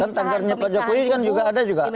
kan tagarnya kajakuyi juga ada juga